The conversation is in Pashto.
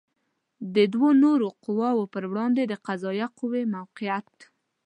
د دوو نورو قواوو پر وړاندې د قضائیه قوې موقعیت